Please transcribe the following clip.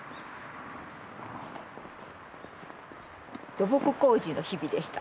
土木工事の日々でした。